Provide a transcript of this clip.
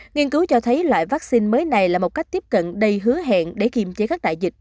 nghiên cứu cho thấy loại vaccine mới này là một cách tiếp cận đầy hứa hẹn để kiềm chế các đại dịch